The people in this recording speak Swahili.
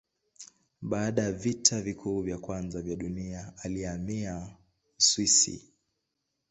Baada ya Vita Kuu ya Kwanza ya Dunia alihamia Uswisi.